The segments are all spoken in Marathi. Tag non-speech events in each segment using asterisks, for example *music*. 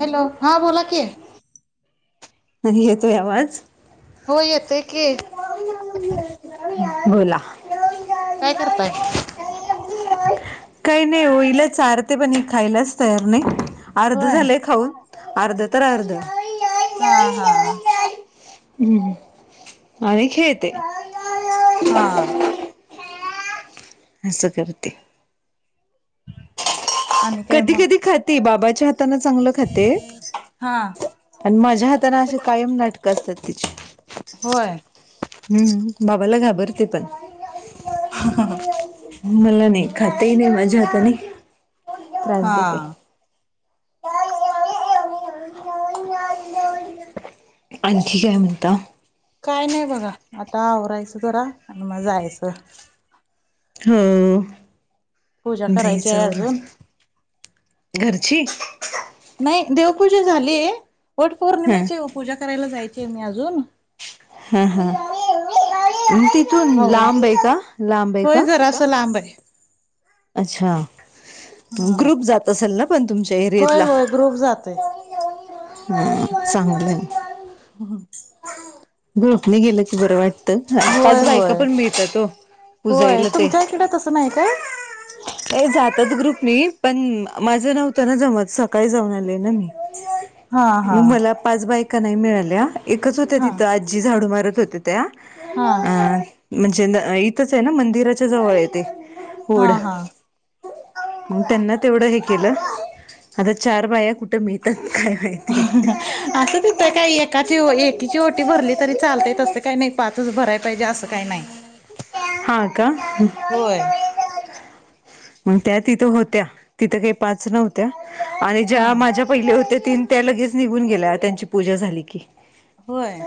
हॅलो हा बोला कि? नाही येतोय आवाज? होय येतय की. *unintelligible* बोला. काय करताय? *unintelligible* काही नाही ओ हिला चारते पण हि खायलाच तयार नाही. अर्ध होय झालंय खाऊन, अर्ध तर अर्ध. हा हा. हम्म, आणि खेळते. हा. अस करते. आणि काय कधी मग कधी खाते बाबाच्या हातान चांगल खाते, हा आणि माझ्या हातान अशे कायम नाटकं असतात तिची. होय. हम्म बाबाला घाबरते पण. ह ह ह. मला नाही. खाते नाही म्हणजे आता नाही हा त्रास देते. आणखी काय म्हणता? काय नाही बघा. आता आवरायचं जरा. आणि मग जायचं. हो पूजा करायची जायच आहे आवरुन. अजून घरची. नाही. देवपूजा झालीये. वटपौर् ह. पूजा करायला जायची मी अजून. हा हा. तिथू लांबे का? लांबे का? जरास लांबे. अच्छा, हा ग्रुप जात असेल ना पण तुमच्या होय एरियातला. होय ग्रुप जातोय. ह चांगलंय. *unintelligible* ग्रुपने गेलं की बरं वाटतं. पाच होय होय बायका पण मिळतात हो. होय पुजायला ते. तुमच्या इकडं तसं नाही काय? काही जातात ग्रुपनी. पण माझं नव्हतं ना जमत. सकाळी जाऊन आले ना मी. हा हा मग मला पाच बायका नाही मिळाल्या. एकच होत्या हा तिथं. आ जी झाडू मारत होते त्या. हा अ म्हणजे इथंचे ना. मंदिराच्या जवळे ते वड. हा हा मग त्यांना तेवढं हे केलं. आता चार बाया कुठं मिळतात काय माहित? *unintelligible* असं तीथ काही, एकाची एकीची ओटी भरली तरी चालतेय. तसं काही नाही पाच भराय पाहिजे असं काही नाही. हा का? होय. मग त्या तिथं होत्या. तिथं काही पाच नव्हत्या. आणि हा ज्या माझ्या पहिले होते तीन. त्या लगेच निघून गेल्या. त्यांची पूजा झाली की. होय.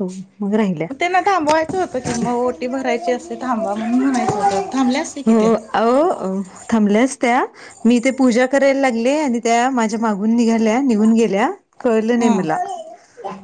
हो मग राहिल. म त्यांना थांबवायचं होतं किं, म ओटी भरायची असते. थांबा म्हणून म्हणायचं होतं. थांबल्या अस ते की त्या. अ थांबल्या असत्या. मी तेे पूजा करायला लागले. आणि त्या माझ्या मागून निघाल्या. निघून गेल्या. कळलं नाही हा मला.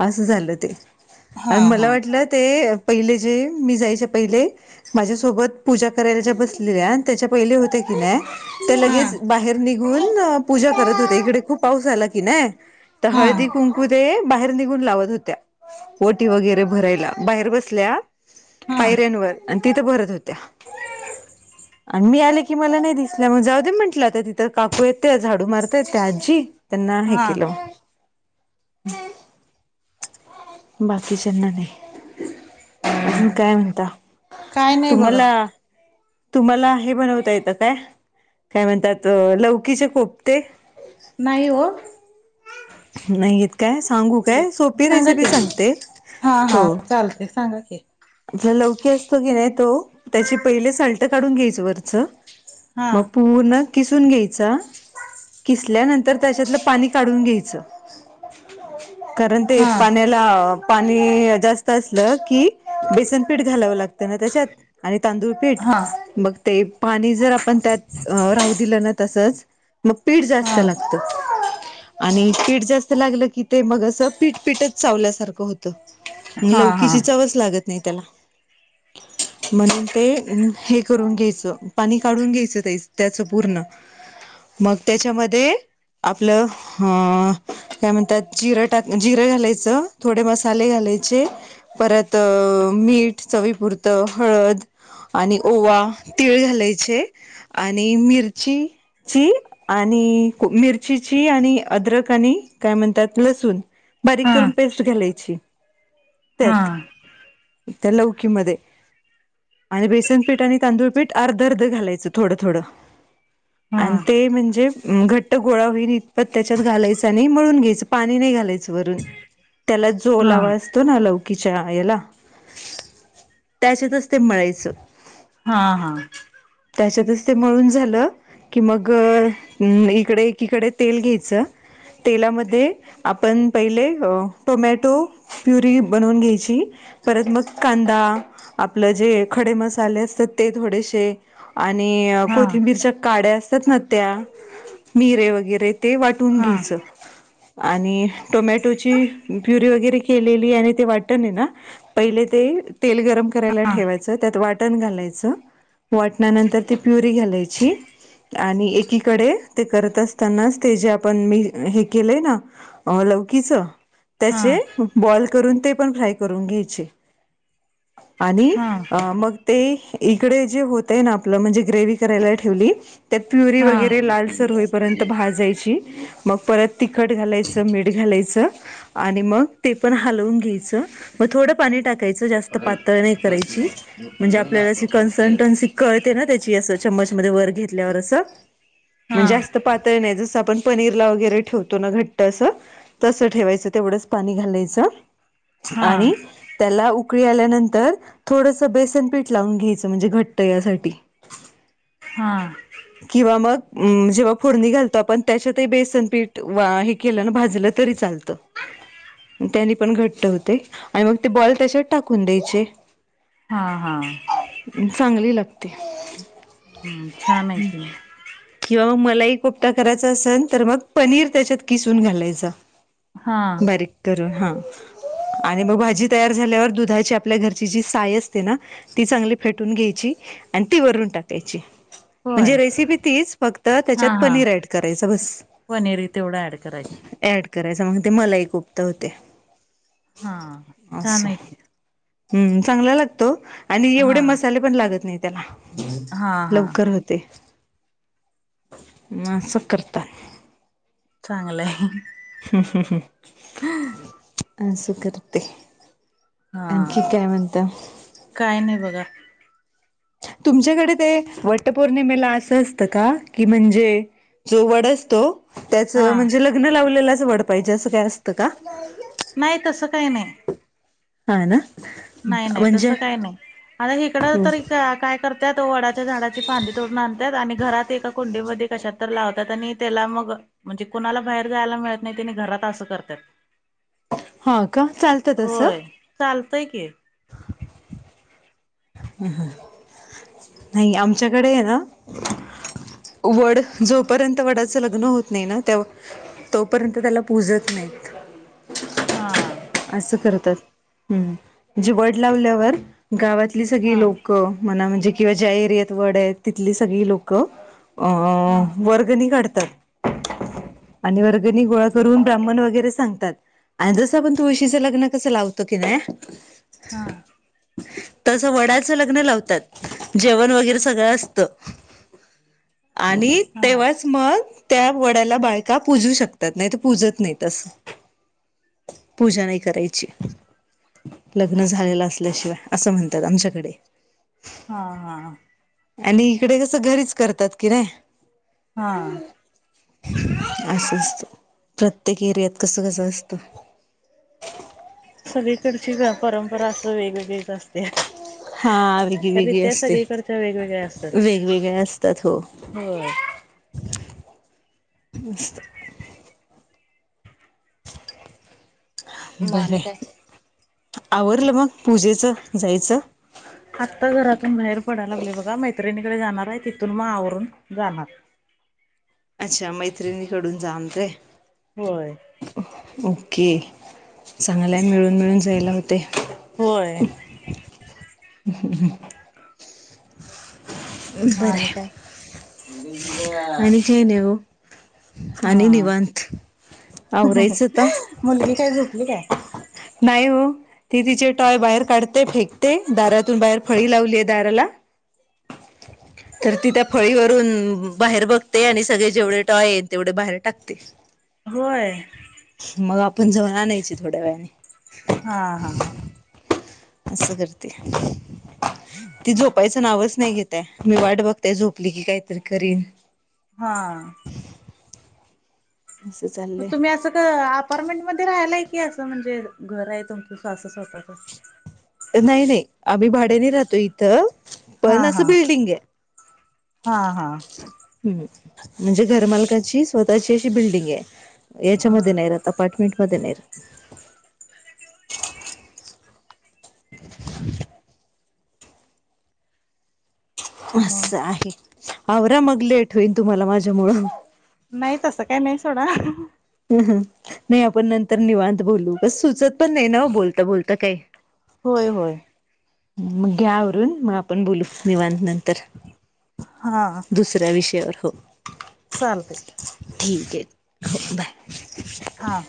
असं झालं ते. हा आणि हा मला वाटलं ते पहिले जे, मी जायचे पहिले, माझ्यासोबत पूजा करायला ज्या बसलेल्या त्याच्या पहिले होते की नाही, त्या हा लगेच बाहेर निघून पूजा करत होते. इकडे खूप पाऊस आला की नाही. त हा हळदी कुं कू ते बाहेर निघून लावत होत्या. ओटी वगैरे भरायला बाहेर बसल्या. हा पायऱ्यांवर. अन तिथं भरत होत्या. आणि मी आले की मला नाही दिसल्या. मग जाऊ दे म्हंटलं आता. तिथं काकू येत त्या झाडू मारताय त्या आजी त्यांना हे हा केलं. बाकीच्यांना नाही. अजून काय म्हणता? काय नाही बघा तुम्हाला तुम्हाला हे बनवता येतं काय, काय म्हणतात लवकीचे कोपते? नाही हो. ह. *inaudible* नाही येत काय सांगू काय? सोपी सांगा की रेसिपी सांगते हा हो. हा चालते सांगा की जे लौकी असतो की नाही तो त्याची पहिले साल्ट काढून घ्यायच वरच हा मग पूर्ण किसून घ्यायचा किसल्यानंतर त्याच्यातलं पाणी काढून घ्यायचं. *inaudible* कारण ते हा पाण्याला पाणी जास्त असलं की बेसन पीठ घालावं लागतं. त्यानं त्याच्यात आणि तांदूळ पीठ हा मघ ते पाणी जर आपण त्यात राहू दिलं ना तसंच मग पीठ जास्त हा लागत. आणि पीठ जास्त लागलं की ते मग अस पीठपीठच चावल्यासारखं होत. हा हा लवकीची हा चवच लागत नाही त्याला. म्हणून ते हे करून घ्यायचं पाणी काढून घ्यायचं त्याचं पूर्ण. मग त्याच्यामध्ये आपलं ह काय म्हणतात जिरं टाक जिरं घालायचं थोडे मसाले घालायचे. परत मीठ चवीपुरतं हळद आणि ओवा, तीळ घालायचे. आणि मिरची ची आणि मिरचीची आणि अद्रक आणि काय म्हणतात लसूून बारीक हा करून पेस्ट घालायची. हा त्यात त्या लौकीमध्ये. आणि बेसनपीठ आणि तांदूळपीठ अर्ध, अर्ध घालायचं थोडं, थोड आणि हा ते म्हणजे घट्ट गोळा होईल इतपत त्याच्यात घालायच त्याने मळून घ्यायचं पाणी नाही घालायचं वरून त्याला जो ओलावा तो ना लौकीच्यायाला त्याच्यातच ते मळायचं. हा हा. त्याच्यातच ते मळून झालं. कि मग इकडे एकीकडे तेल घ्यायचं. तेलामध्ये आपण पहिले टोमॅटो प्युरी बनवून घ्यायची. परत मग कांदा आपलं जे खडे मसाले असतात ते थोडेसे. आणि हा कोथिंबीरच्या काड्या असतात ना त्या मिरे वगैरे ते वाट तु हा घ्यायच. आणि टोमॅटोची प्युरी वगैरे केलेली आणि ते वाटत आहे ना. पहिले ते तेल गरम करायला हा हा ठेवायचं त्यात वा वाटण घालायचं वाटणानंतर ती प्युरी घालायची आणि एकीकडे ते करत असतानाच ते जे आपण मी हे केलंय ना लौकीच हा त्याचे बॉल करून ते पण फ्राय करून घ्यायचे आणि हा मग ते इकडे जे होतय ना आपलं म्हणजे ग्रेवही करायला ठेवली ते त्यात प्युरी हा वगैरे लालसर होईपर्यंत भाजायची मग परत तिखट घालायचं मीठ घालायचं आणि मग ते पण हलवून घ्यायचं. मग थोडं पाणी टाकायचं जास्त पातळ नाही करायची म्हणजे आपल्याला कन्सल्टन्सी कळ ना त्याची अस चमच मध्ये वर घेतल्यावर अस हा म्हणजे पातळ नाही जसं आपण पनीरला वगैरे ठेवतो. ना घट्ट अस तस ठेवायचं तेवढंच पाणी घालायचं हा आणि त्याला उकळी आल्यानंतर थोडसं बेसन पीठ लावून घ्यायचं म्हणजे घट्ट यासाठी. हा. किंवा मग जेव्हा फोडणी घालतो आपण त्याच्यातही बेसन पीठ वा हे केलं ना भाजलं तरी चालतं. *inaudible* त्यानी पण घट्ट होते आणि मग ते बॉल त्याच्यात टाकून द्यायचे. हा हा, चांगली लागते. हू छान आहे. हुं की किंवा म मलाई कोपता करायचा आसन तर मग पनीर त्याच्यात किसून घालायचा. हा बारीक करून हा. आणि म भाजी तयार झाल्यावर दुधाची आपल्या घरची जी साय असते ना ती चांगली फेटून घ्यायची आणि ती वरून टाकायची. होय म्हणजे रेसिपीतीच फक्त हा त्याच्यात हा पनीर ऍड करायचं बस. पनीर तेवढं ऍड करायचं. ऍड करायच म ते मलाई कोपता होते हा छान आसं. आहे की हम्म चांगला लागतो आणि हा एवढे मसाले पण लागत नाही त्याला हा हा लवकर हो ते म आसं करतात चांगलं हाय. हू हू हू, आस करते. हा आणखी काय म्हणता काय नाही बघा तुमच्याकडे ते वटपौर्णिमेला आसं असतं का की म्हणजे जो वड असतो त्याच हा म्हणजे लग्न लावलेलाच वड पाहिजे असं काय असतं का? नाही तसं काय नाही. हा ना. नाही नाही म्हणजे तसं काय नाही आता हिकडं तरी का काय करत्यात वडाच्या झाडाची फांदी तोडून आणत्यात आणि घरात एका कुंडीमध्ये कशात तर लावतात आणि त्याला मग म्हणजे कुणाला बाहेर जायला मिळत नाही तेनी घरात आसं करत्यात. हा का चालतं तस? चालतय की. *inaudible* हा हा, नाही आमच्याकडे हे ना वड जोपर्यंत वडाचं लग्न होत नाही ना त्या तोपर्यंत त्याला पूजत नाही. हा. आसं करता हू जे वड लावल्यावर गावातली हा सगळी लोकं म्हणा म्हणजे किंवा ज्या एरियात वड आहे तिथली सगळी लोकं अ हा वर्गणी काढतात आणि वर्गनी गोळा करून ब्राह्मण वगैरे सांगतात आण जस आपण तुळशीचं लग्न कसं लावतो की नाय हा. तसं वडाचं लग्न लावतात, जेवण वगैरे सगळं असतं. आणि हा तेव्हाच मग त्या वड्याला बायका पूजू शकतात नाही त पूजत नाही आसं. पूजा नाही करायची. लग्न झालेल असल्याशिवाय असं म्हणतात आमच्याकडे. हा. हा. हां. आणि इकडे कसं घरीच करतात की नाही? हा. असं असत. प्रत्येक एरियात कसं कसं असतं. सगळीकडची परंपरा असं वेगवेगळीच असते. हा. वेगळी वेगळी रित्या असते. सगळीकडच्या वेगवेगळ्या वेगवेगळ असतात हो. हो. मस्त मग आणि बरं. काय? आवरलं मग पूजेच जायचं? आत्ता घरातून बाहेर पडायला लागले बघा. मैत्रिणीकडे जाणार आहे. तिथून मग आवरून जाणार. अच्छा. मैत्रिणीकडून जाम होय. होय. ओके. चांगल्या मिळून मिळून जायला होतय. होय. ह ह म आणि बरं काय? आणि काही नाही ओ. आणि हा निवांत आवरायचं आता. म मुलगी काय झोपली काय? नाही हो. ती तिचे टॉय बाहेर काढते फेकते, दारातून बाहेर फळी लावलीय दाराला. तर ती त्या फळीवरून बाहेर बघते आणि सगळे जेवढे टॉय ए तेवढे बाहेर टाकते. होय. मग आपण जाऊन आणायचे थोड्या वेळाने. हा हा. असं करते. ती झोपायचं नावच नाही घेतए. मी वाट बघतेय झोपली की काहीतरी करीन. हा. असं चाल- म तुम्ही असं का अपार्टमेंट मध्ये राहिलाय? की असं म्हणजे घर आहे तुमचं सासू सासऱ्याचं. नाही नाही. आम्ही भाड्याने राहतो इ- -थ हा पण असं हा बिल्डिंग आहे. हा हा हं. म्हणजे घरमालकांची स्वतःची अशी बिल्डिंग आहे. याच्यामध्ये हा नाही राहत. अपार्टमेंट मध्ये नाही रहात. ह अस मग आहे. आवरा मग लेट होईल तुम्हाला माझ्या मुळं. नाही तसं काही नाही सोडा. ह ह. नाही आपण नंतर निवांत बोलू. काही सुचत पण नाही ना हो बोलता बोलता काही. होय. होय. हं. मग घ्या आवरून मग आपण बोलू निवांत नंतर. हा. दुसऱ्या विषयावर हो. चालतय. ठीक आहे. बाय. हां..